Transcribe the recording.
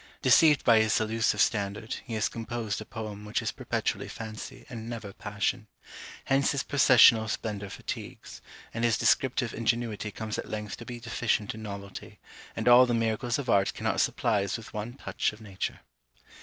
Deceived by his illusive standard, he has composed a poem which is perpetually fancy, and never passion. Hence his processional splendour fatigues, and his descriptive ingenuity comes at length to be deficient in novelty, and all the miracles of art cannot supply us with one touch of nature.